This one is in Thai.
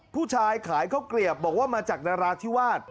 ผู้ชายขายข้าวเกลียบบอกว่ามาจากนราธิวาส